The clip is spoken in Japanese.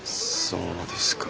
そうですか。